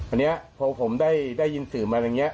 อันนี้พอผมได้ยินสื่อมาอย่างนี้